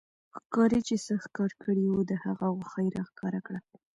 ښکارې چې څه ښکار کړي وو، د هغه غوښه يې را ښکاره کړه